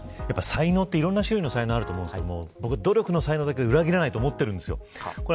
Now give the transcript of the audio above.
才能っていろんな種類の才能があると思うんですけど僕は努力の才能だけは裏切らないと思っているんです。